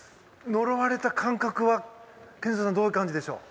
呪われた感覚は、健三さんどういう感じでしょう？